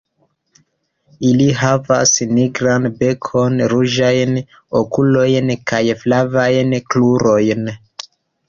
Ili havas nigran bekon, ruĝajn okulojn kaj flavajn krurojn.